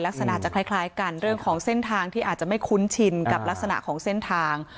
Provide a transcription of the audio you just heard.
ลักษณะจะคล้ายกันเรื่องของเส้นทางที่อาจจะไม่คุ้นชินกับลักษณะของเส้นทาง